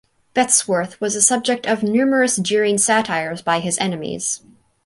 Bettesworth was the subject of numerous jeering satires by his enemies.